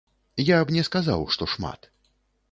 Я б не сказаў, што шмат.